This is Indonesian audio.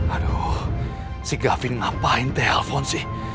aduh si gavin ngapain sih